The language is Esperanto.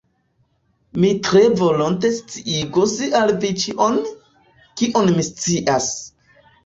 Mi tre volonte sciigos al vi ĉion, kion mi scias.